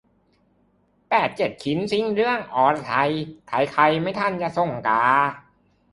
เปนเจ็ดชิ้นสิ้นเรื่องอรไทย ใครใครไม่ทันจะสงกา